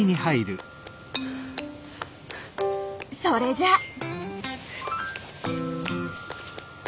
それじゃ！